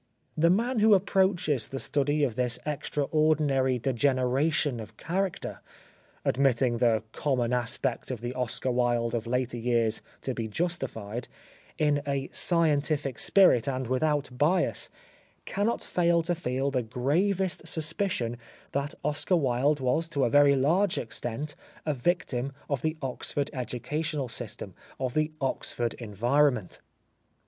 The man who approaches the study of this extraordinary degeneration of character (admitting the common aspect of the Oscar Wilde of later years to be justified) in a scientific spirit and without bias, cannot fail to feel the gravest suspicion that Oscar Wilde was to a very large extent a victim of the Oxford educational system, of the Oxford environment.